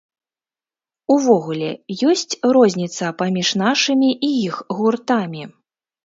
Увогуле, ёсць розніца паміж нашымі і іх гуртамі?